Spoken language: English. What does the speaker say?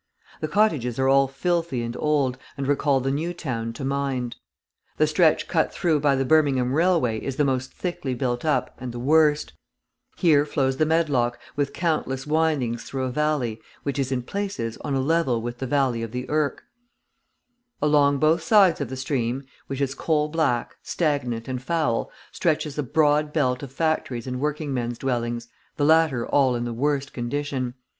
The cottages are all filthy and old, and recall the New Town to mind. The stretch cut through by the Birmingham railway is the most thickly built up and the worst. Here flows the Medlock with countless windings through a valley, which is, in places, on a level with the valley of the Irk. Along both sides of the stream, which is coal black, stagnant and foul, stretches a broad belt of factories and working men's dwellings, the latter all in the worst condition.